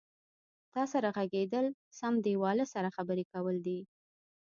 تا سره غږېدل سم دیواله سره خبرې کول دي.